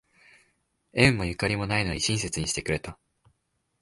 縁もゆかりもないのに親切にしてくれた